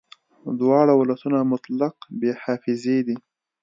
دواړه ولسونه مطلق بې حافظې دي